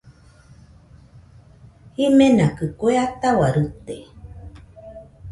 Jimenakɨ kue ataua rite